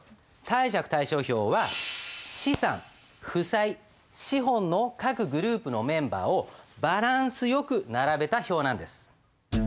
貸借対照表は資産負債資本の各グループのメンバーをバランスよく並べた表なんです。